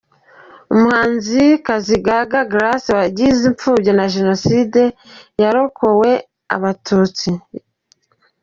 Umuhanzikazi Gaga Grace wagizwe imfubyi na Jenoside yakorewe abatutsi.